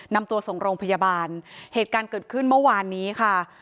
นำตัวส่งโรงพยาบาลเหตุการณ์เกิดขึ้นเมื่อวานนี้ค่ะ